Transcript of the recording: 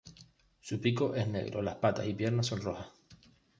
Su pico es negro, las patas y piernas son rojas.